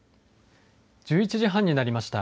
１１時半になりました。